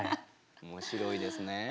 面白いですね。